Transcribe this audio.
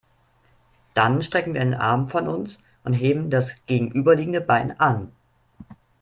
Dann strecken wir einen Arm von uns und heben das gegenüberliegende Bein an.